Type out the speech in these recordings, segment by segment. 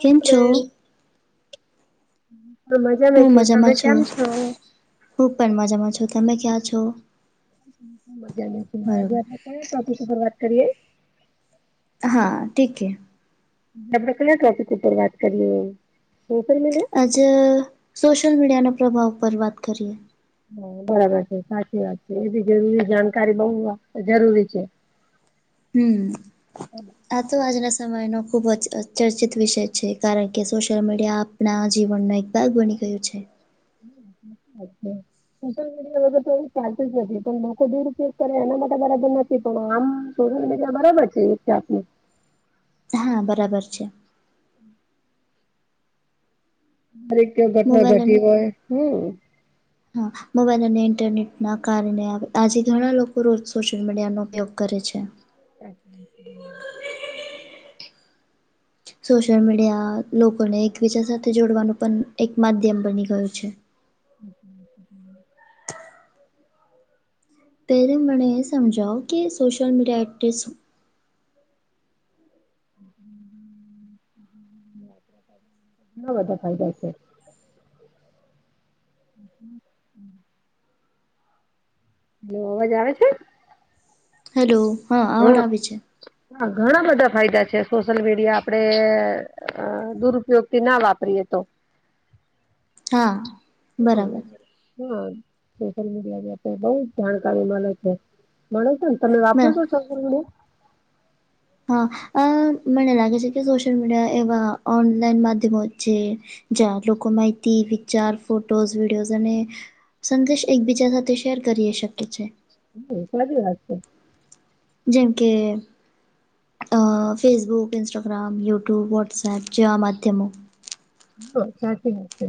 કેમ છો? મેં મજામાં છું, તમે કેમ છો? હું પણ મજામાં છું, તમે ક્યાં છો? મજામા છું. આજે બરોબર. આપણે કયા ટોપીક ઉપર વાત કરીએ? હા, ઠીક હે. આપડે કયા ટોપિક ઉપર વાત કરીએ? Social media? આજે સોશિયલ મીડિયાના પ્રભાવ પર વાત કરીએ. હા સાચી વાત છે, એ બી જરૂરી જાણકારી બો જરૂરી છે. હમમ આ તો આજ રસ સમયનો ખૂબ જ ચર્ચિત વિષય છે કારણ કે સોશિયલ મીડિયા આપણા જીવનનો એક ભાગ બની ગીયું છે. અચછા. સોશિયલ મીડિયા વગર તો ચાર્જ નથી, પણ લોકો દુરપયોગ કરે એના માટે બરાબર પણ આમ સોશિયલ મીડિયા બરાબર છે એક જાત નું હા, બરાબર છે. દરેક કય ઘટના મોબાઈલ અને ઘટી હોય હમમ. હા, મોબાઈલ અને ઇન્ટરનેટ ના કારણે આજે ઘણા લોકો રોજ સોશિયલ મીડિયાનો ઉપયોગ કરે છે. [unintelligible] સોશિયલ મીડિયા લોકોને એકબીજા સાથે જોડવાનું પણ એક માધ્યમ બની ગયું છે. [unintelligible] [unintelligible] પહેલે મને એ સમજાઓ કે સોશલ મીડિયા એટલે શું? હમમ. ઘણા બધા ફાયદા છે. હલો અવાજ આવે છે? હેલો, હા આવડ આવે છે. હા ઘણા બધા ફાયદા છે, સોશિયલ મીડિયા આપડે હા દુરુપયોગથી ના વાપરીએ તો હા. હમમ. બરાબર હા, સોશિયલ મીડિયા ની તો બો જ જાણકારી મળે છે, મળે તો ને તમે વાપરો બર છો સોશિયલ મીડિયા? હા, મને લાગે છે, કે સોશિયલ મીડિયા એવાં ઓનલાઈન માધ્યમો જ છે... જ્યાં લોકો માહિતી, વિચારો, ફોટોઝ, વિડિયોઝ અને... સંદેશ એકબીજા સાથે શેર કરી શકે છે. હા, ખાલી દીવા છે. [inaudible] જેમ કે. ફેસબુક, ઇન્સ્ટાગ્રામ, યુટ્યુબ, વોટ્સએપ જેવા માધ્યમો. હ સાચી વાત છે.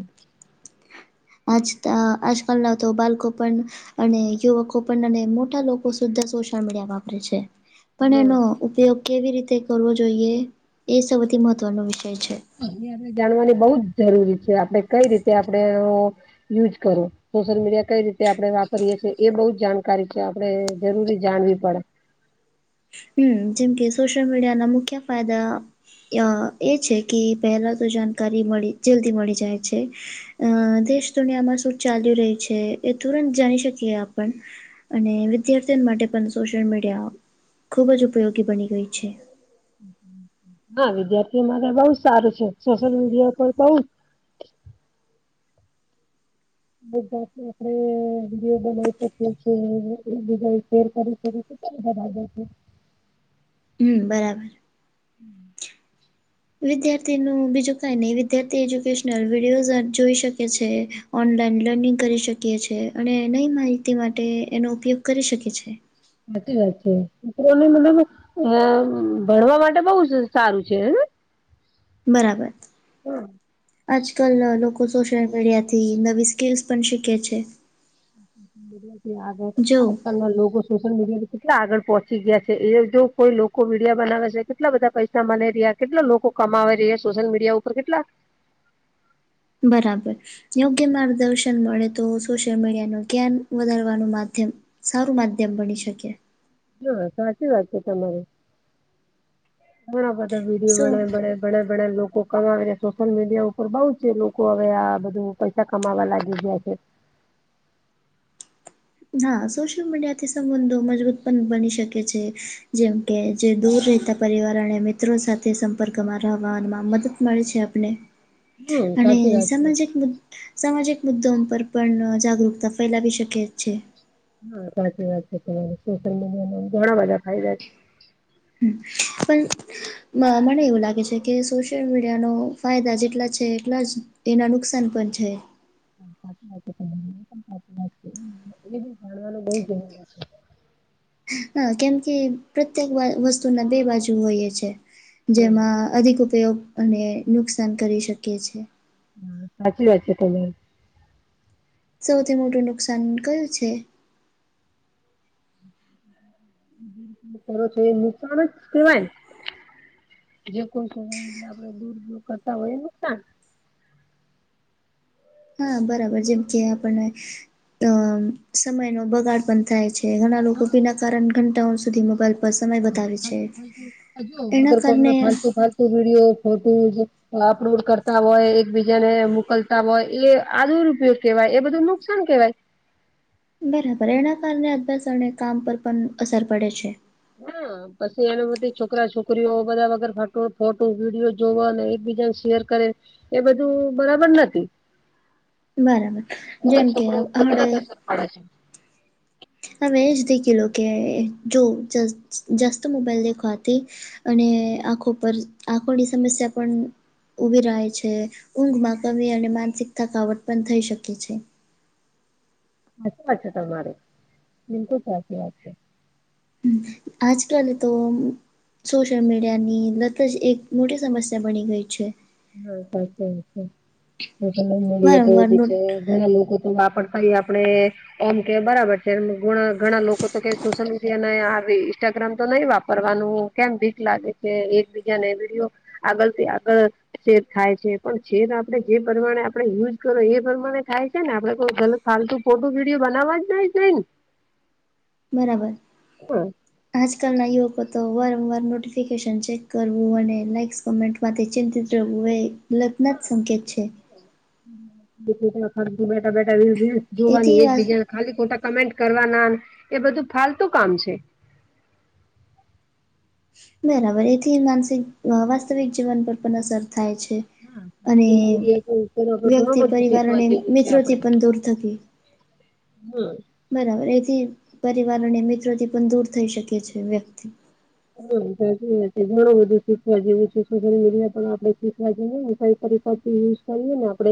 આજકાલના તો બાળકો પણ... અને યુવકો પણ અને મોટા લોકો સુધી સોશિયલ મીડિયા વાપરે છે. પણ છે એનો ઉપયોગ કેવી રીતે કરવો જોઈએ! એ સૌથી મહત્વનો વિષય છે. એ જાણવાની બહુ જ જરૂરી છે કે આપણે કઈ રીતે યુઝ કરવો. સોશિયલ મીડિયા કઈ રીતે આપણે વાપરીએ છીએ, એ બહુ જાણકારી છે આપણે જરૂરી જાણવી પડે. હા, જેમ કે સોશિયલ મીડિયાના મુખ્ય ફાયદા... એ છે કે પહેલાં તો જાણકારી જલ્દી મળી જાય છે. હા, દેશ-દુનિયામાં શું ચાલી રહ્યું છે એ તુરંત જાણી શકીએ આપણે. અને વિદ્યાર્થીઓ માટે પણ સોશિયલ મીડિયા... ખૂબ જ ઉપયોગી બની ગયું છે. હમ હમ, હા. [inaudible] હા, વિદ્યાર્થીઓ માટે બહુ જ સારું છે. સોશિયલ મીડિયા પણ બહુ..... ગુજરાતીમાં આપણે વિડિયો બનાવી શકીએ અને એકબીજા સાથે શેર કરી શકીએ. એ છે. [inaudible] હમ બરાબર... હમ.. [inaudible] વિદ્યાર્થીનું બીજું કાંઈ નહીં, વિદ્યાર્થીઓ એજ્યુકેશનલ વિડિયોઝ જોઈ શકે છે. ઓનલાઈન લર્નિંગ કરી શકીએ છીએ, અને નવી માહિતી માટે એનો ઉપયોગ કરી શકીએ છીએ. સાચી વાત છે, ભણવા માટે તો બહુ જ સારું છે. બરાબર.... હમ.. આજકાલ લોકો સોશિયલ મીડિયાથી નવી સ્કિલ્સ પણ શીખે છે. હા, જો આજકાલના લોકો.... હા, સોશિયલ મીડિયાથી કેટલા આગળ પહોંચી ગયા છે. એવું જે કોઈ લોકો વિડીયો બનાવે છે. કેટલા બધા પૈસા આગળ પહોંચી ગયા છે. અમારે ત્યાં કેટલાં લોકો કમાઈ રહ્યા છે. સોશિયલ મીડિયા પર કેટલા... બરાબર.. યોગ્ય માર્ગદર્શન મળે તો સોશિયલ મીડિયા નુ કેમ વધારવા નું માધ્યમ.... સારું માધ્યમ બની શકે. હા, સાચી વાત છે. તમારી ઘણા બધા વિડિયો સો બને છે. હા, ઘણા બધા લોકો કમાઈને સોશિયલ મીડિયા પર હવે આ બધું પૈસા કમાવવા લાગી ગયા છે. હા, સોશિયલ મીડિયાથી સંબંધો મજબૂત પણ બની શકે છે, જેમ કે, જે દૂર રહેતા પરિવાર અને મિત્રો સાથે સંપર્કમાં રહેવામાં મદદ મળે છે. હમ્મ અને સાચી વાત છે. સામાજિક મુ... સામાજિક મુદ્દાઓ પર પણ જાગૃતિ ફેલાવી શકે છે. હા, સાચી વાત છે તમારી સોશિયલ મીડિયાના ઘણા બધા ફાયદા છે. હમ પણ. મને એવું લાગે છે કે સોશિયલ મીડિયાના ફાયદા જેટલા છે, એટલા જ... એના નુકસાન પણ છે. [inaudible] એ બી જાણવાનું બવ જરૂરી છે. હ કેમ કે પ્રત્યેક બા વસ્તુના બે બાજુ હોઈએ છે હા જેમાં અધિક ઉપયોગ અને નુકસાન કરી શકીએ છે. સાચી વાત છે તમે સૌથી મોટું નુકસાન કયું છે? [unintelligible] કરો છો એ નુકસાન જ કેવાય ને જે કોઈ [unintelligible] આપડે [unintelligible] કરતા હોય એ નુકસાન હા બરાબર જેમ કે આપણને ત સમયનો બગાડ પન થાય છે ઘણા લોકો બીના કારણ ઘંટાઓ સુધી મોબાઈલ પર સમય બતાવે છે ફાલતુ ફાલતુ એના કારને એ વિડીયો ફોટોઝ અપલોડ કરતા હોય એકબીજાને મોકલતા હોય એ આ દુરપયોગ કેવાય એ બધું નુકસાન કેવાય. બરાબર એના કારણે અભ્યાસ અણે કામ પર પન અસર પડે છે. હાં પછી એના બધી છોકરા છોકરીઓ બધા વગર ફટો ફોટો વિડીયો જોવા ને એકબીજાને શેર કરે. એ બધું બરાબર નથી બરાબર ભલે જેમ કે છોકરો હડે [unintelligible] અડે છે. હમે જ દેખેલો કે જો જ જસ્ત મોબાઈલ દેખવાથી અને આંખો પર આંખોની સમસ્યા પણ ઊમીરાય છે ઊંઘમાં કમી અને માનસિક થકાવટ પન થઈ શકે છે. સાચી વાત છે તમારે બિલકુલ સાચી વાત છે. હમ્મ આજકાલ તો સોશિયલ મીડિયાની લત જ એક મોટી સમસ્યા બણી ગઈ છે. [unintelligible] વારંવાર નોટ ઘણા લોકો તો આપડ કઈ આપડે એમ કેય બરાબર છે ગ ઘણા લોકો તો કે સોશલ મિ ડિયા ને આવી ઇન્સ્ટાગ્રામ તો નઈ વાપરવાનું કેમ બીક લાગે છે એકબીજાને વિડીયો આગળથી આગળ છેદ ખાય છે પણ છેદ આપડે જે પ્રમાણે આપડે યુઝ કરો એ પ્રમાણે થાય છે ને આપડે કોઈ ગલત ફાલતુ ફોટો વિડીયો બનાવવા જ નઈ દેય ને બરાબર. હાં આજકાલના યુવકો તો વારંવાર નોટિફિકેશન ચેક કરવું અને લાઈક્સ કોમેન્ટ માતે ચિંતિત રેહવું એ લતનો જ સંકેત છે. [unintelligible] બેઠા બેઠા રીલ્સ જોવાની એથી વાત એકબીજા ખાલી ખોટા કમેન્ટ કરવાનાને એ બધું ફાલતું કામ છે. બરાબર એથી માનસિક વાસ્તવિક જીવન પર પન અસર થાય છે. હાં. અને તો મીડિયા તો ઉપર આપણે ઘણાં વ્યક્તિ બધું પરિવાર શીખવા અને જેવું છે આપડે મિત્રોથી પણ દૂર થકી હાં બરાબર એથી પરિવાર અને મિત્રોથી પન દૂર થઈ શકે છે વ્યક્તિ [unintelligible] ઘણું બધું શીખવા જેવું છે [unintelligible] પણ આપડે શીખવા જઈએ ને [unintelligible] યુઝ કરીએ ને આપડે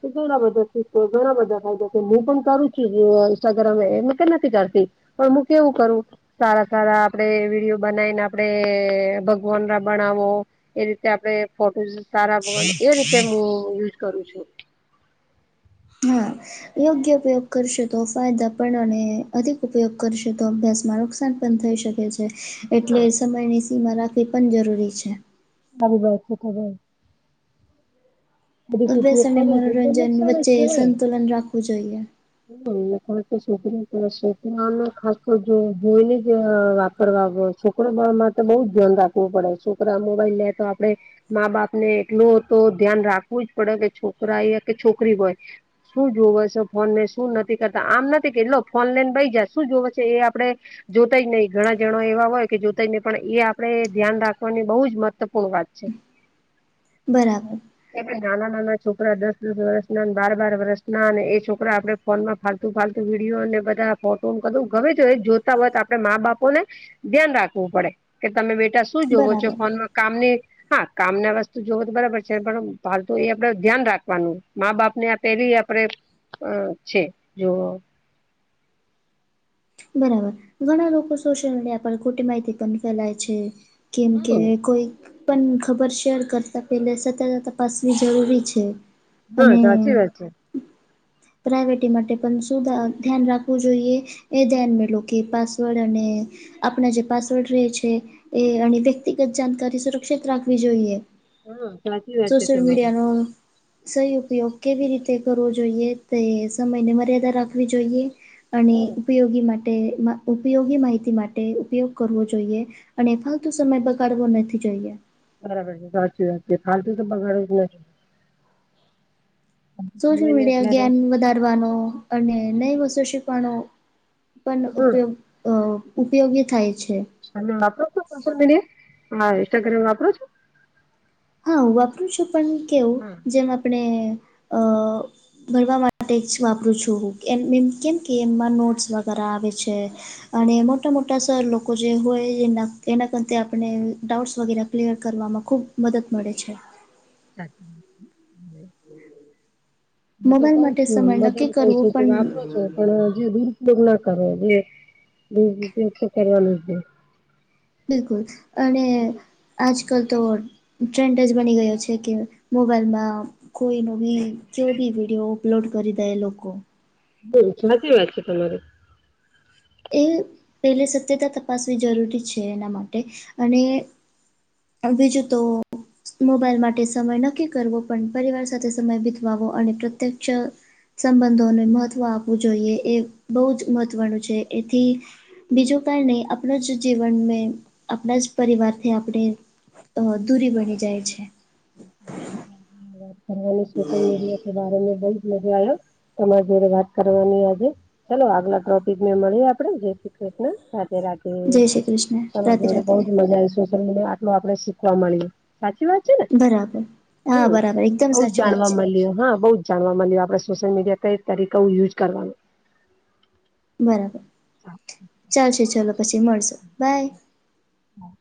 તો ઘણા બધા સીખ ઘણા બધા ફાયદા છે હું પણ કરું છું ઇન્સ્ટાગ્રામ એ કે નથી કરતી પન હું કેવું કરુ સારા સારા આપડે વિડીયો બનાવીને, આપડે ભગવાનના બનાવો એ રીતે આપડે. ફોટોઝ તારા ગુણ ભગવન એ રીતે હું યુઝ કરું છું. હા. યોગ્ય ઉપયોગ કરશો તો ફાયદા પણ અને અધિક ઉપયોગ કરશો તો અભ્યાસમાં નુકસાન. પણ થઈ શકે છે, એટલે હા સમયની સીમા રાખવી પણ જરૂરી છે. [unintelligible] અધિક અભ્યાસ ઉપયોગ કરો અને છો, એ મનોરંજન નુકસાન જ વચ્ચે કેહેવાય. સંતુલન રાખવું જોઈએ. હ, એને ક કે છોકરી છોકરાને ખાસ તો જો ધોઈને જ વાપરવા. છોકરો માટે તો બઉ જ ધ્યાન રાખવું પડે, છોકરા મોબાઈલ લે તો આપડે. મા બાપ ને, એટલુ તો ધ્યાન રાખવું જ પડે કે, છોકરા એ કે છોકરી હોય. શું જોવે છે, ફોન ને શું નથી કરતા, આમ નથી કે, લો ફોન લઈને બઈ જાય શું જોવે છે, એ આપડે જોતા જ નહીં, ઘણા જણા એવા હોય કે, જોતા નહીં, પણ એ આપણે ધ્યાન રાખવાની બહુ જ મહત્વપૂર્ણ વાત છે. બરાબર. એટલે નાના-નાના છોકરા દસ-દસ વર્ષના, બાર-બાર વર્ષના અને એ છોકરા આપડે ફોન માં ફાલતું ફાલતું વિડીયો ને, બધા ફોટો કધું ગમે તે એ જોતા હોય તો, આપડે મા બાપો ને ધ્યાન રાખવું પડે કે, તમે બેટા શું જોવો છો, બરાબર ફોનમાં કામની. હા, કામ ના વસ્તું જોવો તો બરાબર છે, પણ ફાલતુ એ આપડે ધ્યાન રાખવાનું, મા-બાપ ને આ પેલી આપડે હ, છે જો. બરાબર, ઘણા લોકો સોશિયલ મીડિયા પર ખોટી માહિતી પણ ફેલાય છે. કેમ કે હમ કોઈક પણ ખબર શેર કરતા, પેલા સતત તપાસવી જરૂરી છે. હા અને સાચી વાત છે પ્રાઇવેટી માટે પણ શું ધ્યાન રાખવું જોઈએ? એ ધ્યાનમાં લો કે, પાસવર્ડ અને આપણા જે પાસવર્ડ રહેે છે, એ અને વ્યક્તિગત જાણકારી સુરક્ષિત રાખવી જોઈએ. હા સાચી વાત છે સોશિયલ તમારી મિડિયાનો. સહી ઉપયોગ કેવી રીતે કરવો જોઈએ તે, સમયને મર્યાદા રાખવી જોઈએ. અને હમ ઉપયોગી માટે ઉપયોગી માહિતી માટે ઉપયોગ કરવો જોઈએ. અને ફાલતુ સમય બગાડવો નથી જોઈએ. બરાબર છે, સાચી વાત છે, ફાલતુ તો બગાળવું જ ન જોઈએ. સોશિયલ સમય ને મીડિયા અત્યારે જ્ઞાન વધારવાનો અને નઈ વસ્તુ શીખવાનો. પણ હમ ઉપયોગ અ ઉપયોગી થાય છે. તમે વાપરો છો, સોશિયલ મીડિયા હા ઈન્સ્ટાગ્રામ વાપરો છો? હા, હું વાપરું છું, પણ કેવું હા જેમ આપણે. અ [inaudible] ભણવા માટે જ વાપરું છું, હું એમ એમ કેમ કે એમમાં નોટ્સ વગેરે આવે છે. અને મોટા મોટા સર લોકો જે હોય, એ એના કર આપણે ડાઉટસ વગેરે. ક્લિયર કરવામાં ખૂબ મદદ મળે છે. સાચ. મોબાઈલ માટે છું સમય બધાને નક્કી કઉ કરવો છું કે પણ વાપરો છો પણ જે દુરુપયોગ ના કરવો જોઈએ, દુરુપયોગ તો કરવાનું જ નઈ. બિલકુલ અને અને આજકાલ તો ટ્રેન્ડ જ બની ગયો છે કે, મોબાઈલમાં કોઈ નો બી કેવો બી વિડીયો અપલોડ કરી દે લોકો. બહુ સાચી વાત છે તમારી. એ પહેલે સત્યતા તપાસવી જરૂરી છે એના માટે અને આમ બીજું તો મોબાઈલ માટે સમય નક્કી કરવો પણ પરિવાર સાથે સમય બીતવાવો અને પ્રત્યક્ષ સંબંધોને મહત્ત્વ આપવું જોઈએ એ બહુ જ મહત્વનું છે એથી બીજું કઈ નહીં આપનું જ જીવન મે આપણા જ પરિવારથી આપણે અહ અધૂરી બની જાય છે. [unintelligible] અને સોશયલ મીડિયા કે બાર મે બહુત મઝા આયો તમારા જોડે વાત કરવાની આજે ચાલો આગલા ટ્રોપિક મે મળીએ આપડે જય શ્રી કૃષ્ણ રાધે રાધે. હા જય શ્રી કૃષ્ણ તમારા રાધે જોડે રાધે બહું જ મજા આવી સોશિયલ મીડિયા આટલું આપડે શીખવા મળયુ સાચી વાત? છે ને? બરાબર હા બરાબર એકદમ સાચી વાત છે. લિયો હા બઉુ જ જાણવા મળ્યું આપડણે સોશિયલ મીડિયા કઈ તરીકે યુઝ કરવા નો. બરાબર ચાલશે ચલો પછી મળશું બાય. હા.